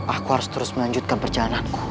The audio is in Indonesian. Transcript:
aku harus terus melanjutkan perjalananku